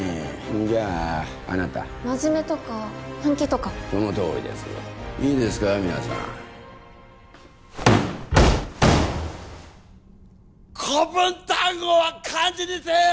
じゃああなた真面目とか本気とかそのとおりですいいですか皆さん古文単語は漢字にせよ！